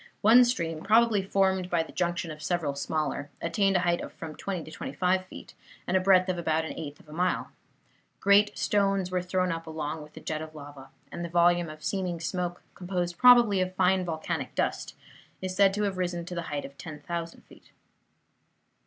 One stream, probably formed by the junction of several smaller, attained a height of from twenty to twenty five feet, and a breadth of about an eighth of a mile. Great stones were thrown up along with the jet of lava, and the volume of seeming smoke, composed probably of fine volcanic dust, is said to have risen to the height of 10,000 feet.